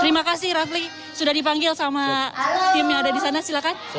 terima kasih rafli sudah dipanggil sama tim yang ada di sana silahkan